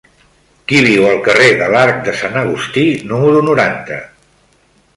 Qui viu al carrer de l'Arc de Sant Agustí número noranta?